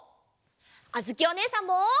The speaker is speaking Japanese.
あづきおねえさんも。